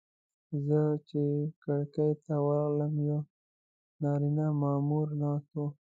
زه چې کړکۍ ته ورغلم یو نارینه مامور ناست و.